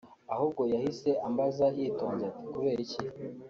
ahubwo yahise ambaza yitonze ati “Kubera iki